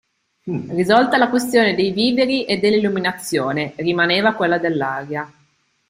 Risolta la questione dei viveri e dell'illuminazione, rimaneva quella dell'aria.